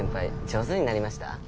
上手になりました？